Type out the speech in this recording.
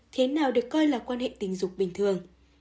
thế nào được coi là quan hệ tình dục bình thường